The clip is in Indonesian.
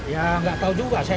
ya nggak tahu juga